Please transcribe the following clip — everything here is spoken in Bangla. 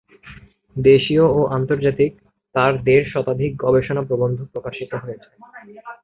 দেশীয় ও আন্তর্জাতিক তার দেড় শতাধিক গবেষণা প্রবন্ধ প্রকাশিত হয়েছে।